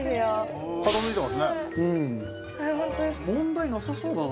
問題なさそうだなでも。